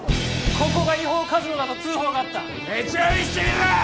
ここが違法カジノだと通報があった手帳見せてみろ！